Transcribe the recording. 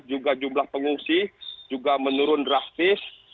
juga jumlah pengungsi juga menurun drastis